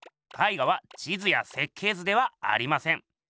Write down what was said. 絵画は地図や設計図ではありません。